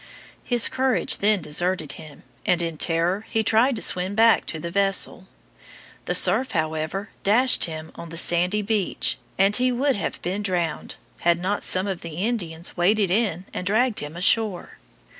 His courage then deserted him, and in terror he tried to swim back to his vessel. The surf, however, dashed him on the sandy beach, and he would have been drowned had not some of the Indians waded in and dragged him ashore.